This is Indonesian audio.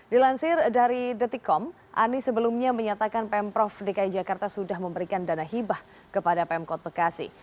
dilansir dari detikom anies sebelumnya menyatakan pemprov dki jakarta sudah memberikan dana hibah kepada pemkot bekasi